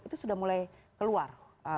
itu sudah mulai keluar